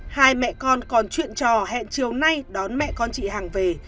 hai mẹ con còn chuyện trò hẹn chiều nay đón mẹ con chị hằng về